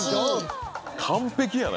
完璧やな